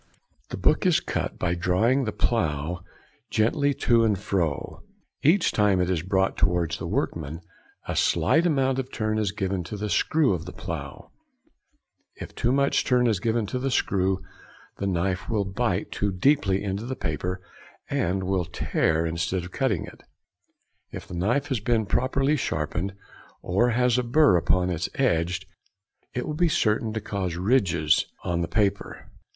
The book is cut by drawing the plough gently to and fro; each time it is brought towards the workman a slight amount of turn is given to the screw of the plough. If too much turn is given to the screw, the knife will bite too deeply into the paper and will tear instead of cutting it. If the knife has not been properly sharpened, or has a burr |62| upon its edge, it will be certain to cause ridges on the paper.